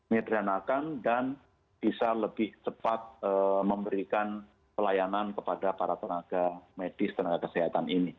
menyederhanakan dan bisa lebih cepat memberikan pelayanan kepada para tenaga medis tenaga kesehatan ini